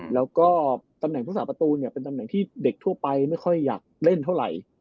แล้วก็ตำแหน่งผู้สาประตูเนี่ยเป็นตำแหน่งที่เด็กทั่วไปไม่ค่อยอยากเล่นเท่าไหร่